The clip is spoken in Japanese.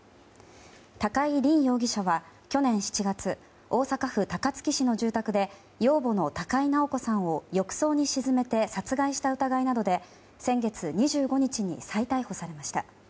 高井凜容疑者は去年７月大阪府高槻市の住宅で養母の高井直子さんを浴槽に沈めて殺害した疑いなどで先月２５日に再逮捕されました。